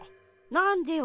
なんでよ